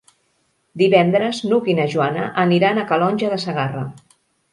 Divendres n'Hug i na Joana aniran a Calonge de Segarra.